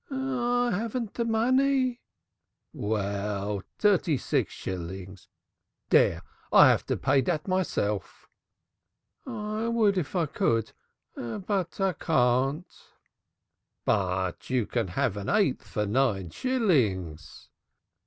"I haven't the money." "Vell, dirty six shillings! Dere! I have to pay dat myself." "I would if I could, but I can't." "But you can have an eighth for nine shillings."